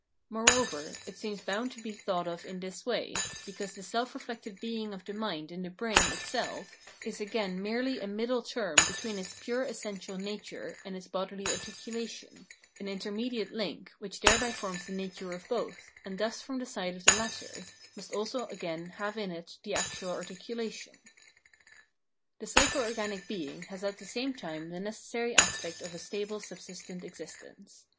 Moreover, it seems bound to be thought of in this way, because the self reflected being of mind in the brain itself is again merely a middle term between its pure essential nature and its bodily articulation, an intermediate link, which thereby forms the nature of both, and thus from the side of the latter, must also again have in it the actual articulation. The psycho organic being has at the same time the necessary aspect of a stable subsistent existence.